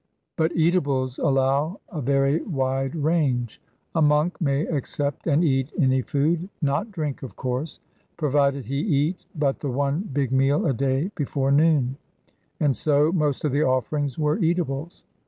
But eatables allow a very wide range. A monk may accept and eat any food not drink, of course provided he eat but the one big meal a day before noon; and so most of the offerings were eatables.